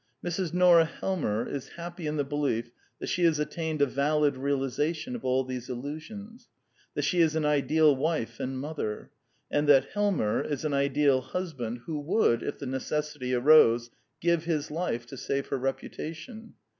Mrs. Nora Helmer is happy in the belief that she has attained a valid realization of all these illusions; that she is an ideal wife and mother; and that Helmer is an ideal husband who would, if the necessity arose, give his life to save her reputation.